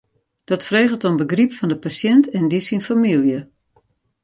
Dat freget om begryp fan de pasjint en dy syn famylje.